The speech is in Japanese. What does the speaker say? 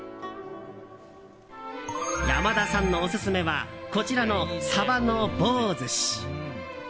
山田さんのオススメはこちらのサバの棒寿司。